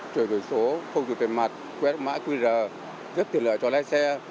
chuyển đổi số không dùng tiền mặt quét mã qr rất tiện lợi cho lái xe